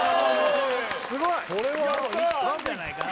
これはいったんじゃないかな